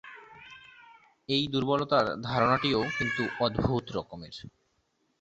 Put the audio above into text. এই দুর্বলতার ধারণাটিও কিন্তু অদ্ভুত রকমের।